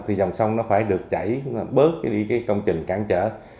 thì dòng sông nó phải được chảy bớt đi cái công trình cản trở